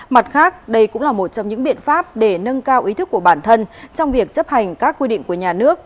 mặt khác đây cũng là một trong những biện pháp để nâng cao ý thức của bản thân trong việc chấp hành các quy định của nhà nước